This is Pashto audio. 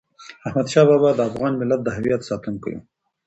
احمد شاه بابا د افغان ملت د هویت ساتونکی و.